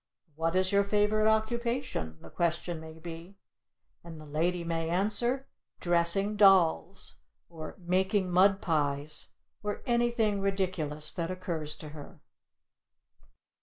"What is your favorite occupation?" the question may be, and the lady may answer "Dressing dolls," or "Making mud pies," or anything ridiculous that occurs to her.